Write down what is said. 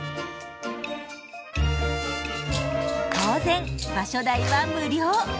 当然場所代は無料。